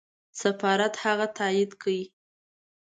سفارت هغه تایید کړ.